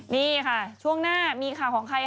นี่ค่ะช่วงหน้ามีข่าวของใคร